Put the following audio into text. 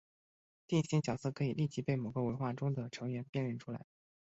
定型角色可以立即被某个文化中的成员辨认出来。